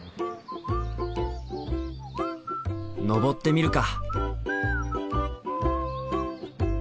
登ってみるか！